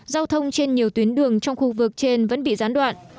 giao thông trên nhiều tuyến đường trong khu vực trên vẫn bị gián đoạn